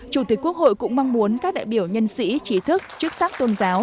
chủ tịch quốc hội cũng mong muốn các đại biểu nhân sĩ trí thức chức sắc tôn giáo